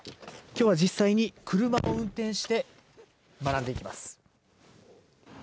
きょうは実際に車を運転して学んでいきます。